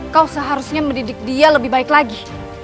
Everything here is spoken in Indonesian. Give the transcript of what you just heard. kau seharusnya mendidik dia lebih baik lagi